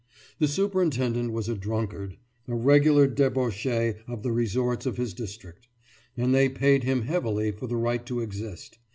The superintendent was a drunkard, a regular debauchee of the resorts of his district; and they paid him heavily for the right to exist.